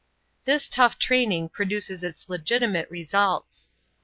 This tough training produces its legitimate results.